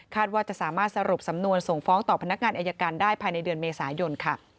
ว่าจะสามารถสรุปสำนวนส่งฟ้องต่อพนักงานอายการได้ภายในเดือนเมษายน